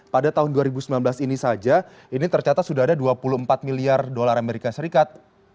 pada tahun dua ribu sembilan belas ini saja ini tercatat sudah ada dua puluh empat miliar dolar amerika serikat